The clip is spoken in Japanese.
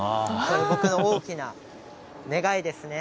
僕の大きな願いですね。